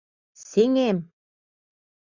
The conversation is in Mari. Сеҥем!